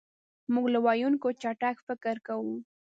مونږ له ویونکي چټک فکر کوو.